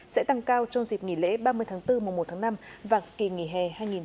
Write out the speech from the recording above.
sẽ tăng cao trong dịp nghỉ lễ ba mươi tháng bốn mùa một tháng năm và kỳ nghỉ hè hai nghìn hai mươi bốn